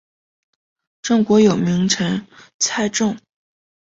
郑国有名臣祭仲。